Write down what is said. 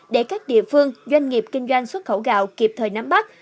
để các địa phương doanh nghiệp kinh doanh xuất khẩu gạo kịp thời nắm bắt